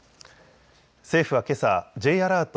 政府はけさ、Ｊアラート